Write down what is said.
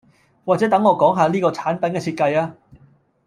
或者等我講吓呢個產品嘅設計吖